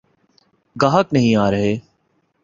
گاہک نہیں آرہے۔